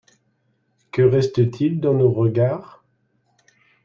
Que reste-t-il dans nos regards?